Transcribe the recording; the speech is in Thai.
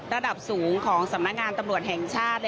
ระดับสูงของสำนักงานตำรวจแห่งชาติ